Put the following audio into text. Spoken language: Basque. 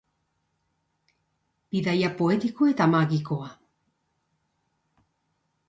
Bidaia poetiko eta magikoa.